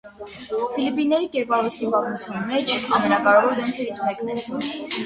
Ֆիլիպինների կերպարվեստի պատմության մեջ ամենակարևոր դեմքերից մեկն էր։